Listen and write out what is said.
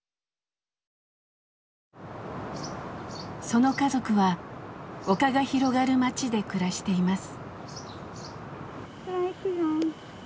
その家族は丘が広がる町で暮らしています。